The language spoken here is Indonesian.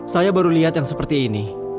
saya baru lihat yang seperti ini